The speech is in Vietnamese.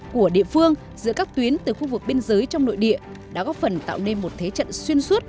của địa phương giữa các tuyến từ khu vực biên giới trong nội địa đã góp phần tạo nên một thế trận xuyên suốt